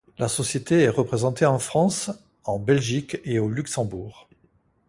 La société est représentée en France, en Belgique et au Luxembourg.